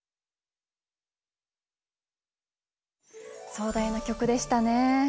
壮大な曲でしたね。